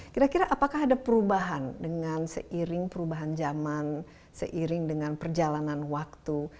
kira kira apakah ada perubahan dengan seiring perubahan zaman seiring dengan perjalanan waktu